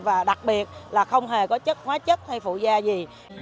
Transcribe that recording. và đặc biệt là không hề có chất hóa chất hay phụ da gì